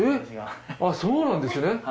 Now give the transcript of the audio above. あっそうなんですね。